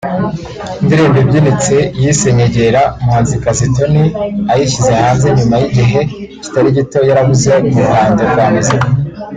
Indirimbo ibyinitse yise “Nyegera” umuhanzikazi Tonny ayishyize hanze nyuma y’igihe kitari gito yarabuze mu ruhando rwa muzika